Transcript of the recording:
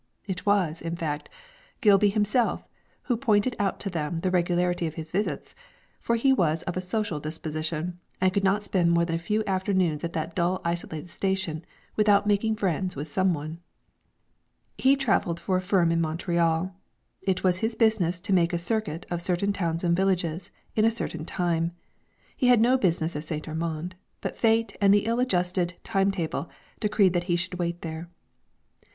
It was, in fact, Gilby himself who pointed out to them the regularity of his visits, for he was of a social disposition, and could not spend more than a few afternoons at that dull isolated station without making friends with some one. He travelled for a firm in Montreal; it was his business to make a circuit of certain towns and villages in a certain time. He had no business at St. Armand, but fate and the ill adjusted time table decreed that he should wait there.